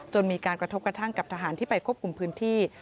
มีการกระทบกระทั่งกับทหารที่ไปควบคุมพื้นที่